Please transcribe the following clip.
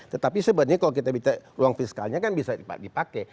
tetapi sebenarnya kalau kita bicara ruang fiskalnya kan bisa dipakai